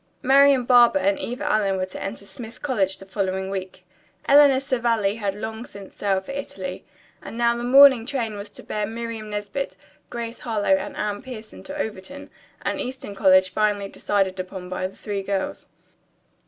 Marian Barber and Eva Allen were to enter Smith College the following week, Eleanor Savelli had long since sailed for Italy, and now the morning train was to bear Miriam Nesbit, Grace Harlowe and Anne Pierson to Overton, an eastern college finally decided upon by the three girls.